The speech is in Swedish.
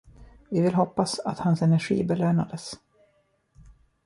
Vi vill hoppas att hans energi belönades.